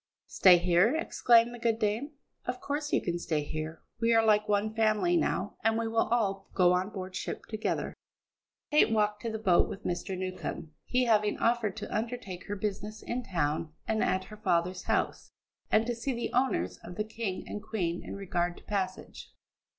"Stay here?" exclaimed the good dame. "Of course you can stay here. We are like one family now, and we will all go on board ship together." Kate walked to the boat with Mr. Newcombe, he having offered to undertake her business in town and at her father's house, and to see the owners of the King and Queen in regard to passage.